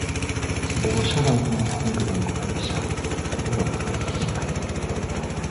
Bw’osalawo n’omufumbirwa mu kkanisa tewaba kudda mabega.